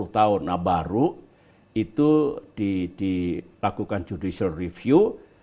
empat puluh tahun nah baru itu dilakukan judicial review